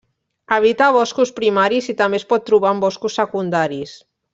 Habita boscos primaris i també es pot trobar en boscos secundaris.